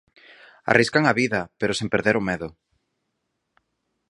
Arriscan a vida, pero sen perder o medo.